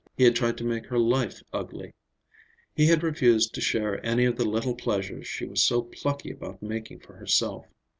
He had tried to make her life ugly. He had refused to share any of the little pleasures she was so plucky about making for herself.